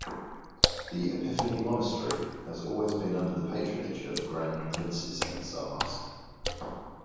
The Epiphany monastery has always been under the patronage of grand princes and tsars.